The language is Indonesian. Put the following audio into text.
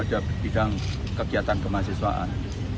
ada bidang kegiatan kemahasiswaan